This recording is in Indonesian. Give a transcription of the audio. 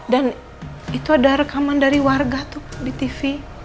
dan itu ada rekaman dari warga tuh di tv